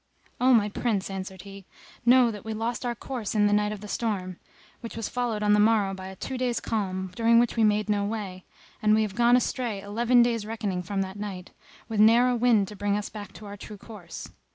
"O my Prince," answered he, "know that we lost our course on the night of the storm, which was followed on the morrow by a two days' calm during which we made no way; and we have gone astray eleven days reckoning from that night, with ne'er a wind to bring us back to our true course.